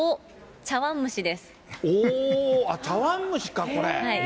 おー、茶わん蒸しか、これ。